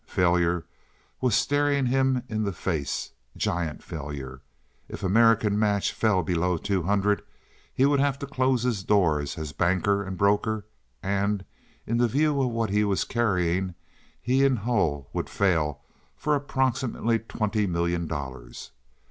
Failure was staring him in the face—giant failure. If American Match fell below two hundred he would have to close his doors as banker and broker and, in view of what he was carrying, he and Hull would fail for approximately twenty million dollars.